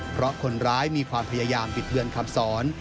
เพราะคนร้ายมีความพยายามบิดเบือนคำสอน